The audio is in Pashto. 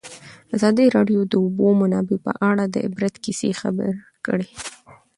ازادي راډیو د د اوبو منابع په اړه د عبرت کیسې خبر کړي.